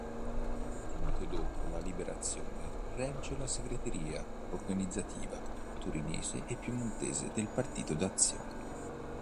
Subito dopo la Liberazione regge la segreteria organizzativa torinese e piemontese nel Partito d'Azione.